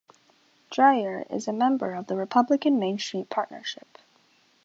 Dreier is a member of the Republican Main Street Partnership.